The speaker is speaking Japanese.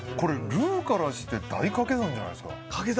ルーからして大掛け算じゃないですか。